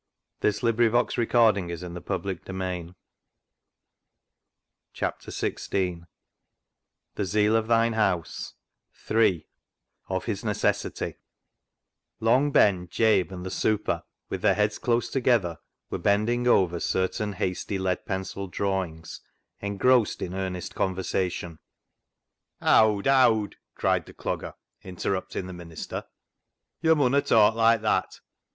'' The Zeal of Thine House " HI "Of His Necessity" 307 " The Zeal of Thine House " III " Of His Necessity " Long Ben, Jabe, and the " super," with their heads close together, were bending over certain hasty lead pencil drawings, engrossed in earnest conversation. " Howd ! howd," cried the Clogger, interrupt ing the minister, " Yo' munna talk like that.